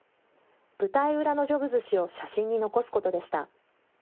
舞台裏のジョブズ氏を写真に残すことでした。